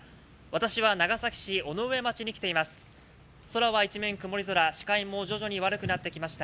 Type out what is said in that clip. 私は長崎市尾上町に来ています。